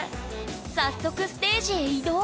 早速ステージへ移動。